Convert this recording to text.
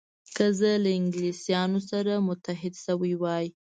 که زه له انګلیسانو سره متحد شوی وای.